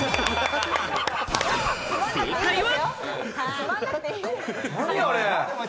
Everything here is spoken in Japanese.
正解は。